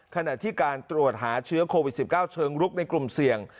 ขณะที่การตรวจหาเชื้อโควิด๑๙เชิงรุกในกลุ่มเสี่ยง